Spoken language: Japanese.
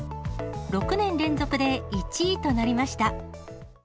６年連続で１位となりました。